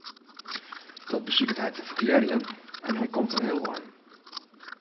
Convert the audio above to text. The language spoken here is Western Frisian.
Dat besiket hy te ferklearjen en hy komt in heel ein.